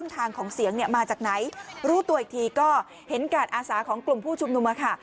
ทางของเสียงเนี่ยมาจากไหนรู้ตัวอีกทีก็เห็นการอาสาของกลุ่มผู้ชุมนุมค่ะ